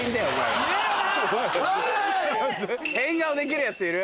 変顔できるやついる？